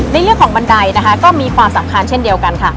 ในเรื่องของบันไดนะคะก็มีความสำคัญเช่นเดียวกันค่ะ